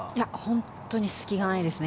本当に隙がないですね